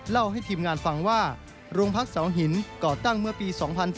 เล่าให้ทีมงานฟังว่าโรงพักเสาหินก่อตั้งเมื่อปี๒๔